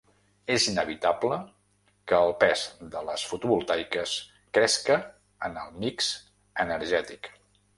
És inevitable que el pes de les fotovoltaiques cresca en el mix energètic.